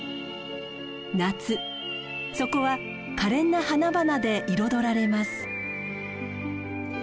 夏そこはかれんな花々で彩られます。